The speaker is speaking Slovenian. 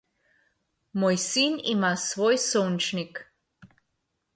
Moj sin ima svoj sončnik.